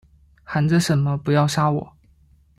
喊着什么不要杀我